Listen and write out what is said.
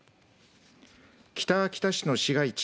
北秋田市の市街地